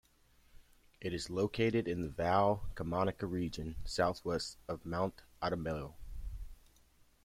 It is located in the Val Camonica region, southwest of Mount Adamello.